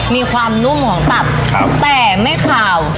มีความนุ่มในตับครับแต่ไม่ขาว